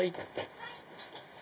はい。